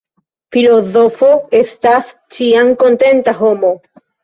Filozofo estas ĉiam kontenta homo.